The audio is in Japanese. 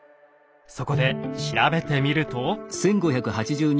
そこで調べてみると。